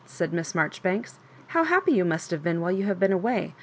said Miss Maporibanks ;how happy you must have been while you have been away!